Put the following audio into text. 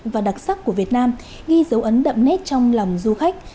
và đặc sắc của việt nam ghi dấu ấn đậm nét trong lòng du khách